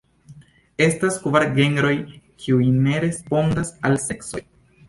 Estas kvar genroj, kiuj ne korespondas al seksoj.